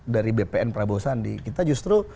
dari bpn prabowo sandi kita justru